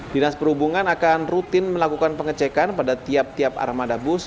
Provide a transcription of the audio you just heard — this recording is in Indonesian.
dinas perhubungan akan rutin melakukan pengecekan pada tiap tiap armada bus